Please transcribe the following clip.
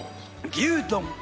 牛丼。